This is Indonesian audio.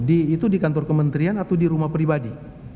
itu di kantor kementerian atau di rumah pribadi